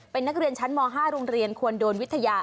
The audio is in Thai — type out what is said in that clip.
เป็นนักเรียนชั้นม๕โรงเรียนควรโดนวิทยา